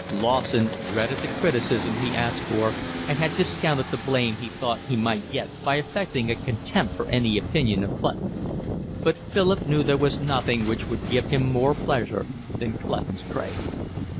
Lawson dreaded the criticism he asked for and had discounted the blame he thought he might get by affecting a contempt for any opinion of Clutton's; but Philip knew there was nothing which would give him more pleasure than Clutton's praise.